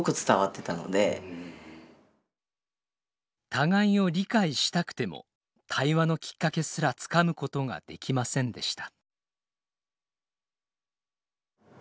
互いを理解したくても対話のきっかけすらつかむことができませんでした。